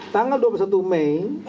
tanggal dua puluh satu mei